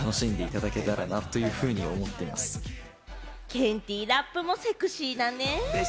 ケンティー、ラップもセクシーだね。